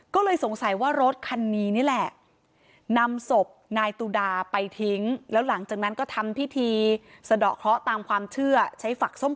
ก็เลยสงสัยว่ารถคันนี้แหละ